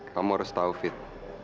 kamu harus tahu fit